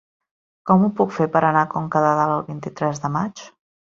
Com ho puc fer per anar a Conca de Dalt el vint-i-tres de maig?